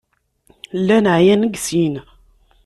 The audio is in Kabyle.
Llan ɛyan deg sin.